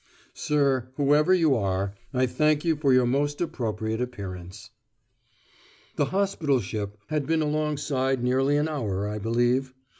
Sir, whoever you are, I thank you for your most appropriate appearance. The hospital ship had been alongside nearly an hour, I believe.